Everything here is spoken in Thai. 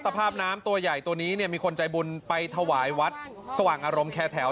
ภาพน้ำตัวใหญ่ตัวนี้เนี่ยมีคนใจบุญไปถวายวัดสว่างอารมณ์แคร์แถว